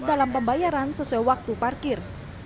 dalam pembayaran sesuai waktu parkir